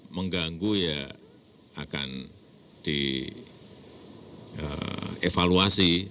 mengganggu ya akan dievaluasi